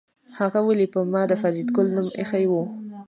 هغه ولې پر ما د فریدګل نوم ایښی و